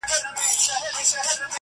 نقادان يې تحليل کوي تل